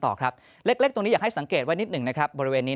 ต่อครับเล็กตรงนี้อยากให้สังเกตไว้นิดหนึ่งนะครับบริเวณนี้